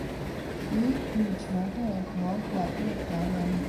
以羽球队和管乐团闻名。